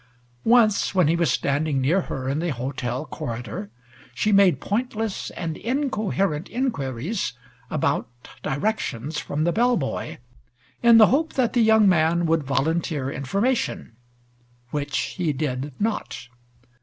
Once, when he was standing near her in the hotel corridor, she made pointless and incoherent inquiries about directions from the bell boy, in the hope that the young man would volunteer information, which he did not.